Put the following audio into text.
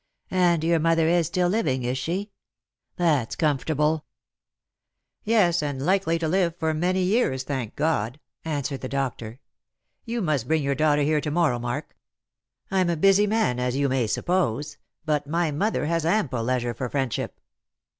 And your mother is still living, is she ? That's comfortable." " Yes, and likely to live for many years, thank God," an swered the doctor. "You must bring your daughter here to morrow, Mark. I'm a busy man, as you may suppose ; but my mother has ample leisure for friendship."